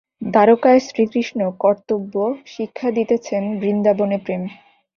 দ্বারকায় শ্রীকৃষ্ণ কর্তব্য শিক্ষা দিতেছেন, বৃন্দাবনে প্রেম।